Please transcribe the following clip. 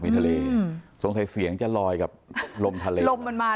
แต่จังหวะที่ผ่านหน้าบ้านของผู้หญิงคู่กรณีเห็นว่ามีรถจอดขวางทางจนรถผ่านเข้าออกลำบาก